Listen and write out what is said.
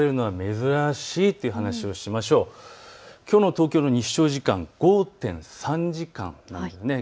きょうの東京の日照時間、５．３時間となりました。